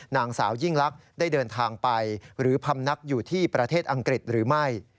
นางสาวยิ่งลักษณ์ได้เดินทางไปหรือพำนักอยู่ที่ประเทศอังกฤษหรือไม่